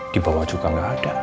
di bawah juga nggak ada